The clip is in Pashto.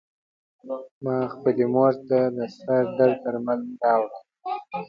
ما خپلې مور ته د سر درد درمل راوړل .